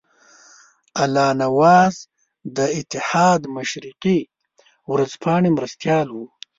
الله نواز د اتحاد مشرقي ورځپاڼې مرستیال وو.